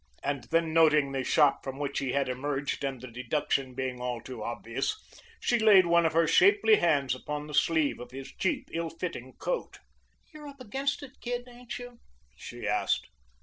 And then noting the shop from which he had emerged and the deduction being all too obvious, she laid one of her shapely hands upon the sleeve of his cheap, ill fitting coat. "You're up against it, kid, ain't you?" she asked.